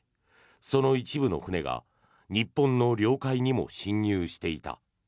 その一部の船が日本の領海にも侵入していた。